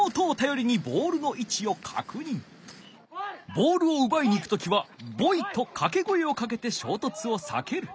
ボールをうばいに行く時は「ボイ」とかけ声をかけてしょうとつをさける。